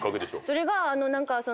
それが何かその。